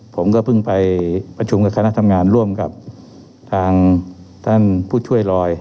ผมก็เพิ่งไปประชุมกับคณะทำงานร่วมกับทางท่านผู้ช่วยลอย